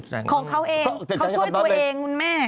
ของเขาเองเขาช่วยตัวเองคุณแม่